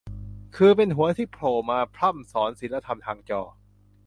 คือเป็นหัวที่โผล่มาพร่ำสอนศีลธรรมทางจอ